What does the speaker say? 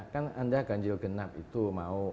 kan anda ganjil genap itu mau